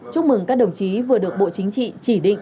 chúc mừng các đồng chí vừa được bộ chính trị chỉ định